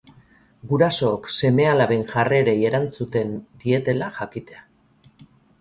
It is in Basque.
Gurasook seme-alaben jarrerei erantzuten dietela jakitea.